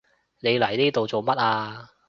你嚟呢度做乜啊？